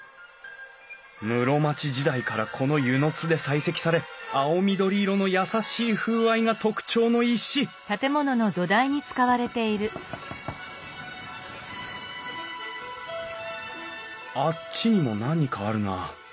室町時代からこの温泉津で採石され青緑色の優しい風合いが特徴の石あっちにも何かあるな。